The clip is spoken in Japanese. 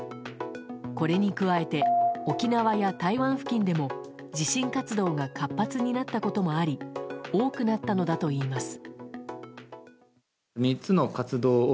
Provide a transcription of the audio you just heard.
これに加えて沖縄や台湾付近でも地震活動が活発になったこともあり多くなったのだといいます。